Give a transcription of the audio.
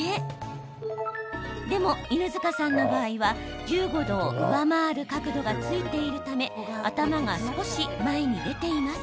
でも、犬塚さんの場合は１５度を上回る角度がついているため頭が少し前に出ています。